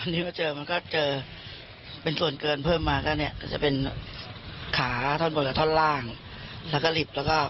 ที่เจอนี่ครับมันจดไอ้กองที่ว่ามันจดรถที่พิกว่ามอยู่